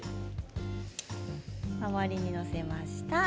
周りに載せました。